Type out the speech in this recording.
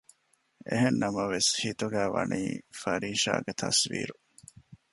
އެހެންނަމަވެސް ހިތުގައި ވަނީ ފާރިޝާގެ ތަސްވީރު